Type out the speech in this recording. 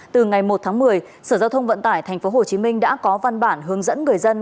từ ngày một tháng một mươi sở giao thông vận tải tp hcm đã có văn bản hướng dẫn người dân